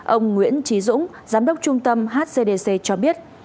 ông nguyễn trí dũng giám đốc trung tâm hcdc cho biết